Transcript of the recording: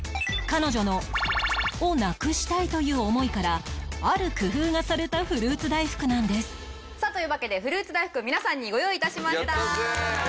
彼女のをなくしたいという思いからある工夫がされたフルーツ大福なんですというわけでフルーツ大福皆さんにご用意致しました。